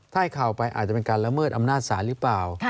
ถ้าให้ข่าวไปอาจจะเป็นการละเมิดอำนาจศาลหรือเปล่า